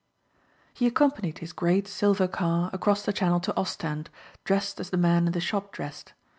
He accompanied his great silver car across the channel to Ostend dressed as the men in the shop dressed.